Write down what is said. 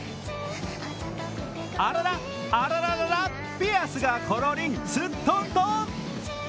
あらら、あらららら、ピアスがころりん、すっとんとん。